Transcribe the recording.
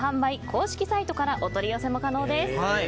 公式サイトからもお取り寄せ可能です。